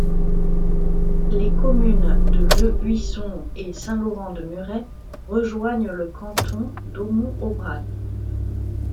Les communes de Le Buisson et Saint-Laurent-de-Muret rejoignent le canton d'Aumont-Aubrac.